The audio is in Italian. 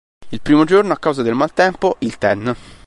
Il primo giorno, a causa del maltempo, il Ten.